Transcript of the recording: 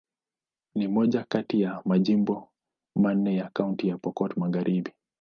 Ni moja kati ya majimbo manne ya Kaunti ya Pokot Magharibi.